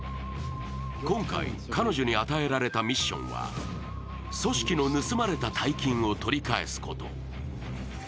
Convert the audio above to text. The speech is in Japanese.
今回、彼女に与えられたミッションは組織の盗まれた大金を取り返すこと。